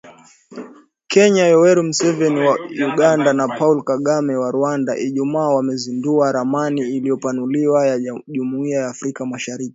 Marais Uhuru Kenyata wa Kenya, Yoweri Museveni wa Uganda, na Paul Kagame wa Rwanda Ijumaa wamezindua ramani iliyopanuliwa ya Jumuiya ya Afrika Mashariki